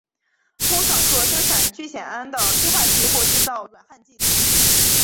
通常作生产聚酰胺的催化剂和制造软焊剂等。